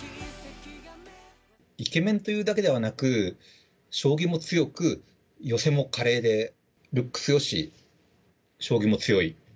イケメンというだけではなく、将棋も強く、寄せも華麗で、ルックスよし、将棋も強い。